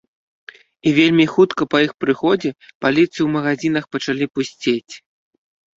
І вельмі хутка па іх прыходзе паліцы ў магазінах пачалі пусцець.